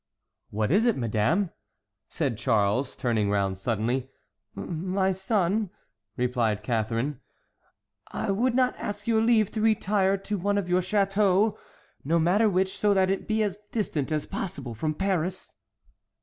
"What is it, madame?" said Charles, turning round suddenly. "My son," replied Catharine, "I would ask your leave to retire to one of your châteaux, no matter which, so that it be as distant as possible from Paris."